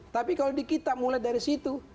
tapi kalau kita mulai dari situ